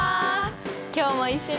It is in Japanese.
今日も一緒に。